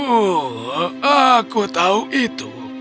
oh aku tahu itu